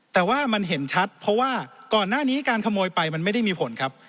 แต่ว่ามันเห็นชัดเพราะว่าก่อนหน้านี้การขโมยไปมันไม่ได้มีผลครับ